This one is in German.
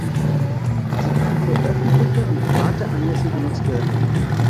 Sie kann für öffentliche und private Anlässe genutzt werden.